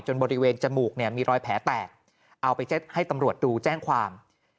บริเวณจมูกเนี่ยมีรอยแผลแตกเอาไปให้ตำรวจดูแจ้งความ